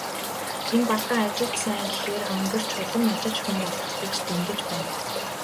Энэ Балдан ажилд сайн гэхээр онгирч, улам ажилч хүн болох гэж дэндэж байна.